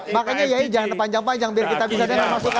makanya ya jangan panjang panjang biar kita bisa dapat masukan